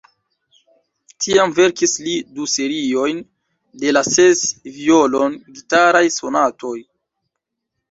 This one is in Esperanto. Tiam verkis li du seriojn de la ses violon-gitaraj sonatoj.